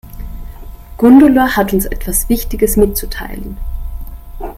Gundula hat uns etwas Wichtiges mitzuteilen.